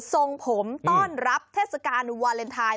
ส่งผมต้อนรับเทศกาลวาเลนไทย